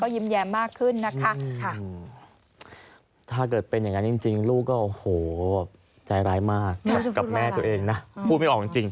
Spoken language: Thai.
พูดไม่ออกจริงนะคะ